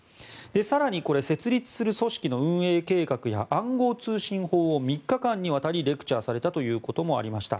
更に設立する組織の運営計画や暗号通信方法を３日間にわたりレクチャーされたということもありました。